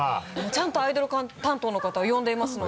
ちゃんとアイドル担当の方を呼んでいますので。